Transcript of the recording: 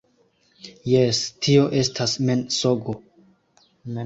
Jes, - Tio estas mensogo.